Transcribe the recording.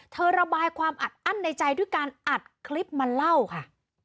ระบายความอัดอั้นในใจด้วยการอัดคลิปมาเล่าค่ะ